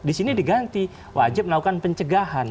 di sini diganti wajib melakukan pencegahan